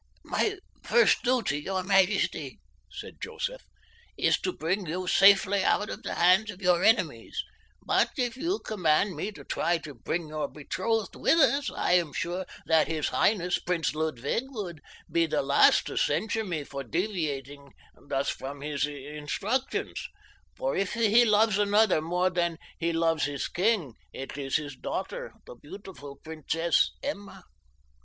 "My first duty, your majesty," said Joseph, "is to bring you safely out of the hands of your enemies, but if you command me to try to bring your betrothed with us I am sure that his highness, Prince Ludwig, would be the last to censure me for deviating thus from his instructions, for if he loves another more than he loves his king it is his daughter, the beautiful Princess Emma."